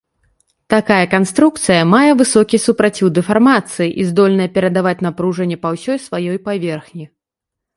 Такая канструкцыя мае высокі супраціў дэфармацыі і здольная перадаваць напружанне па ўсёй сваёй паверхні.